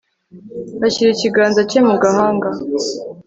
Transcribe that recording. ashyira ikiganza cye mu gahanga